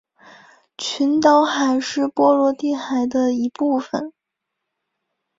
群岛海是波罗的海的一部份。